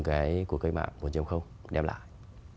cái cuộc cách mạng một đem lại